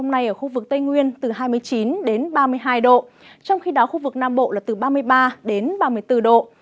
hôm nay ở khu vực tây nguyên từ hai mươi chín đến ba mươi hai độ trong khi đó khu vực nam bộ là từ ba mươi ba đến ba mươi bốn độ